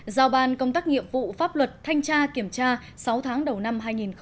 giao ban công tác nghiệm vụ pháp luật thanh tra kiểm tra sáu tháng đầu năm hai nghìn một mươi bảy